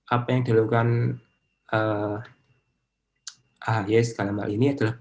apa yang dilakukan ahy sekarang ini adalah